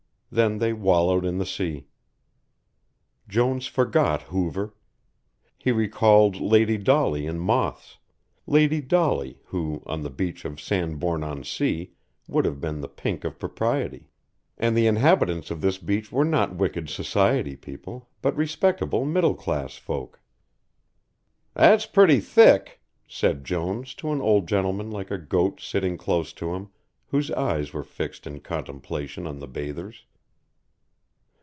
Then they wallowed in the sea. Jones forgot Hoover. He recalled Lady Dolly in "Moths" Lady Dolly, who, on the beach of Sandbourne on Sea would have been the pink of propriety, and the inhabitants of this beach were not wicked society people, but respectable middle class folk. "That's pretty thick," said Jones to an old gentleman like a goat sitting close to him, whose eyes were fixed in contemplation on the bathers.